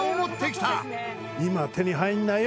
「今手に入らないよ」